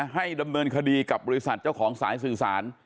ให้ดำเนินคดีกับบริษัทเจ้าของสายสื่อสาร